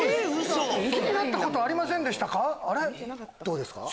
何か気になったことはありませんでしたか？